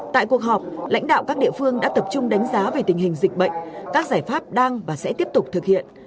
tại cuộc họp lãnh đạo các địa phương đã tập trung đánh giá về tình hình dịch bệnh các giải pháp đang và sẽ tiếp tục thực hiện